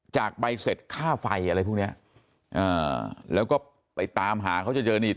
ใบเสร็จค่าไฟอะไรพวกเนี้ยอ่าแล้วก็ไปตามหาเขาจะเจอนี่